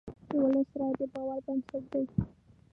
د ولس رایه د باور بنسټ دی.